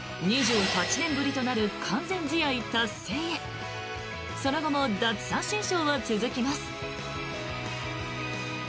２８年ぶりとなる完全試合達成へその後も奪三振ショーは続きます。